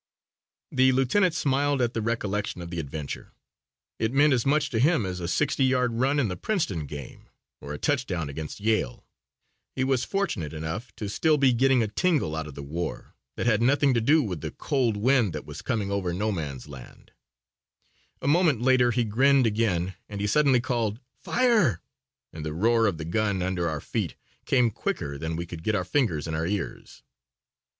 The lieutenant smiled at the recollection of the adventure. It meant as much to him as a sixty yard run in the Princeton game or a touchdown against Yale. He was fortunate enough to be still getting a tingle out of the war that had nothing to do with the cold wind that was coming over No Man's Land. A moment later he grinned again and he suddenly called, "Fire," and the roar of the gun under our feet came quicker than we could get our fingers in our ears.